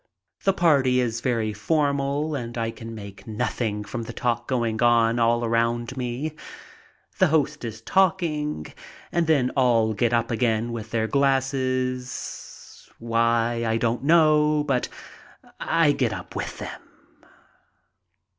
The party is very formal and I can make nothing from the talk going on all about me. The host is talking and then all get up again with their glasses. Why, I don't know, but I get up with them.